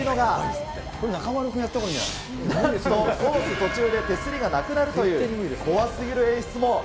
途中で手すりがなくなるという怖すぎる演出も。